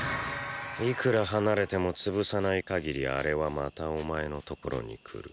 いくら離れても潰さない限りアレはまたお前の所に来る。